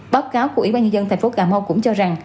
báo cáo của ủy ban nhân dân thành phố cà mau cũng cho rằng